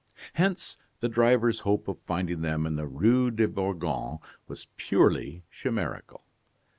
Hence, the driver's hope of finding them in the Rue de Bourgogne was purely chimerical.